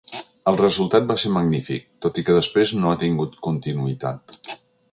El resultat va ser magnífic, tot i que després no ha tingut continuïtat.